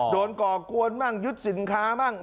โดนเกาะกวนบ้างยึดสินค้าบ้าง